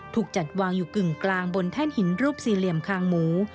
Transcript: ถูกจัดวางอยู่กึ่งกลางบนแท่นหินรูปสี่เหลี่ยมคางหมู